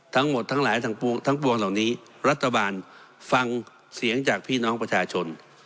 ทั้งหมดทั้งหลายทั้งปวงทั้งปวงเหล่านี้รัฐบาลฟังเสียงจากพี่น้องประชาชน